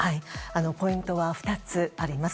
ポイントは２つあります。